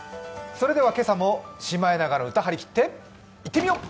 それでは今朝も「シマエナガの歌」張り切っていってみよう。